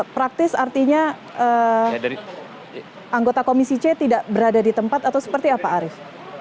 praktis artinya anggota komisi c tidak berada di tempat atau seperti apa arief